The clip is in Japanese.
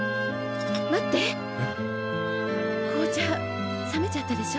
紅茶冷めちゃったでしょ。